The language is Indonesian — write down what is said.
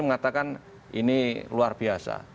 mengatakan ini luar biasa